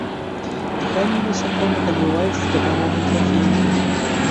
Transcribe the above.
Дыханне ў насякомых адбываецца з дапамогай трахей.